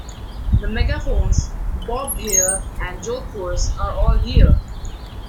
The megaphones, bobbed hair and jodhpurs are all here.